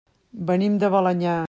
Venim de Balenyà.